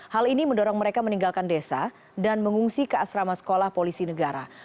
hal ini mendorong mereka meninggalkan desa dan mengungsi ke asrama sekolah polisi negara